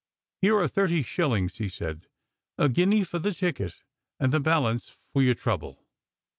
"Here are thirty shillings," he said; " a guinea for the ticketj and the balance for your trouble."